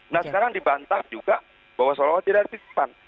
nah sekarang dibantah juga bahwa seolah olah tidak ada titipan